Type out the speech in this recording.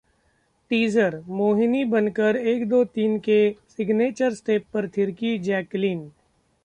Teaser: Mohini बनकर 'एक दो तीन' के सिग्नेचर स्टेप पर थिरकीं जैकलीन